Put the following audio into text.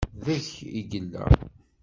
Deg-k i yella.